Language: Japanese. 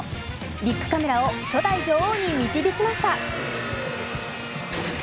ビックカメラを初代女王に導きました。